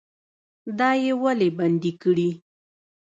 دا یې ولې بندي کړي؟